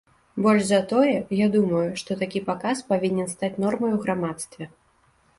Больш за тое, я думаю, што такі паказ павінен стаць нормай у грамадстве.